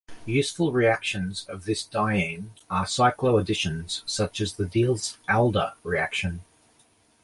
Useful reactions of this diene are cycloadditions, such as the Diels-Alder reaction.